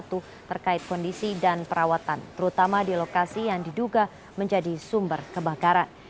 terkait kondisi dan perawatan terutama di lokasi yang diduga menjadi sumber kebakaran